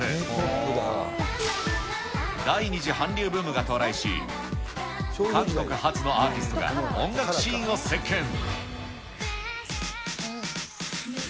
第２次韓流ブームが到来し、韓国発のアーティストが音楽シーンを席けん。